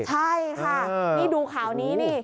ใช่ค่ะดูข้าวนี้